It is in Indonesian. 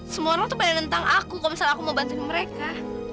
semua orang tuh peden tentang aku kalo misalnya aku mau bantuin mereka